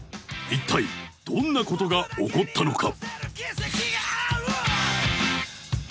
一体どんなことが起こったのか？